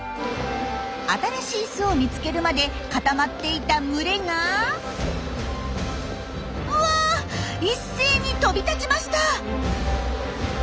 新しい巣を見つけるまで固まっていた群れがうわ一斉に飛び立ちました！